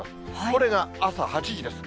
これが朝８時です。